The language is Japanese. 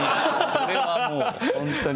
これはもうホントに。